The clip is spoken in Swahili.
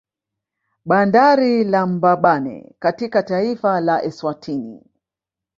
Bandari ya Mbabane katika taifa la Eswatini